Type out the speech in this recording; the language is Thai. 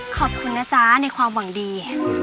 ขอบคุณนะจ๊ะในความหวังดี